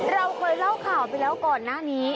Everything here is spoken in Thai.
เราเคยเล่าข่าวไปแล้วก่อนหน้านี้